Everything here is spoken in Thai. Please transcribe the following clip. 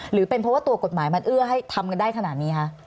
หรือเป็นเพราะว่าตัวกฎหมายมันเอื้อให้ทำกันได้ขนาดนี้คะ